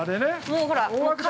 もうほら、風。